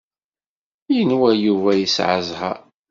Yenwa Yuba yesɛa zzheṛ.